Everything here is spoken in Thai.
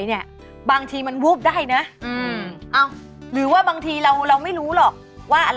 อ่ามันจะได้ทำให้เรารู้สึกเย็น